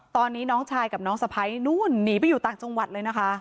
ตอนนี้น้องชายกับน้องสะพ้ายนู่นหนีไปอยู่ต่างจังหวัดเลยนะคะ